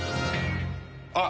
あっ！